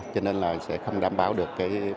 cho nên là sẽ không đảm bảo được